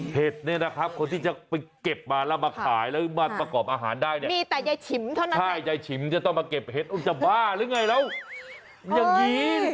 เผ็ดเนี่ยนะครับคนที่จะไปเก็บมาแล้วมาขายแล้วมาประกอบอาหารได้เนี่ย